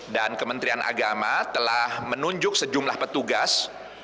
dan kementerian agama telah menunjuk sejumlah petugas